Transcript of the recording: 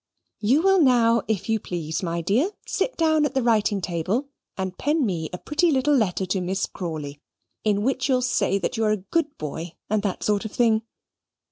"You will now, if you please, my dear, sit down at the writing table and pen me a pretty little letter to Miss Crawley, in which you'll say that you are a good boy, and that sort of thing."